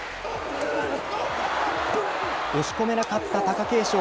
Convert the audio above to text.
押し込めなかった貴景勝。